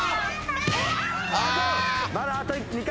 まだあと２回。